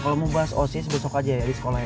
kalau mau bahas osis besok aja ya di sekolah ya